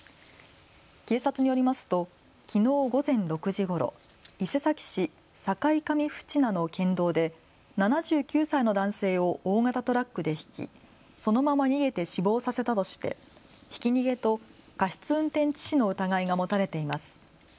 警察によりますときのう午前６時ごろ、伊勢崎市境上渕名の県道で７９歳の男性を大型トラックでひきそのまま逃げて死亡させたとしてひき逃げと過失運転致死の疑いが持たれています。